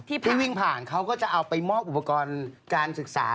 ที่วิ่งผ่านเขาก็จะเอาไปมอบอุปกรณ์การศึกษา